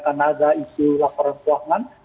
karena ada isu laporan keuangan